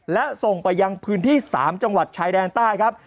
และส่งไปยังพื้นที่๓จังหวัดชายแดนใต้ครับ